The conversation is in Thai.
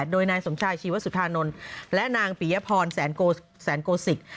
โดยนายสมชายชีวสุธานนท์และนางปิยพรแสนโกศิก